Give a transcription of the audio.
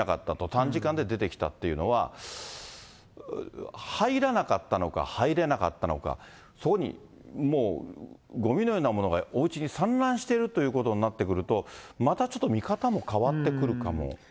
短時間で出てきたっていうのは、入らなかったのか、入れなかったのか、そこにもう、ごみのようなものがおうちに散乱しているということになってくると、またちょっと見方も変わってくるかも。